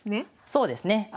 そうですね。